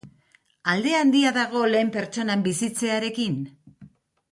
Alde handia dago lehen pertsonan bizitzearekin?